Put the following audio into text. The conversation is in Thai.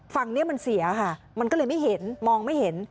ฝั่งนี้มันเสียค่ะมันก็เลยไม่เห็นมองไม่เห็น